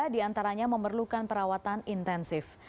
tiga diantaranya memerlukan perawatan intensif